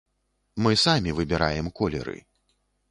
Мы самі выбіраем колеры.